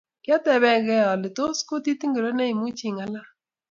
Kiatebekei ale tos kutit ngiro neimuchi ingalal